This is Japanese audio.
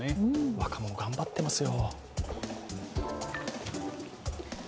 若者、頑張ってますよ。